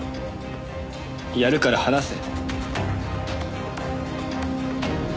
やるから離せ。